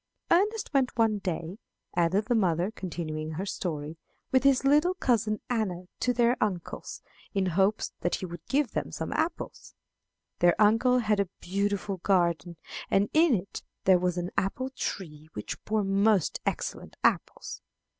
"Ernest went one day," added the mother, continuing her story, "with his little cousin Anna to their uncle's, in hopes that he would give them some apples. Their uncle had a beautiful garden, and in it there was an apple tree which bore most excellent apples.